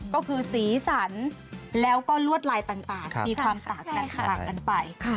ก็คือสีสันแล้วก็ลวดลายต่างมีความต่างกันไป